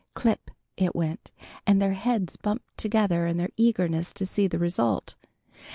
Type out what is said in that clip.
Clip, it went, and their heads bumped together in their eagerness to see the result.